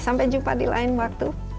sampai jumpa di lain waktu